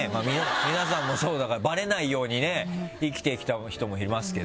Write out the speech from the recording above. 皆さんもそうだからバレないようにね生きてきた人もいますけども。